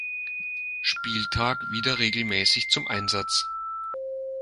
Spieltag wieder regelmäßig zum Einsatz.